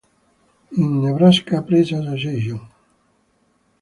In Nebraska Press Assn.